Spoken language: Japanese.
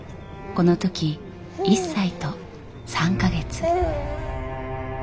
この時１歳と３か月。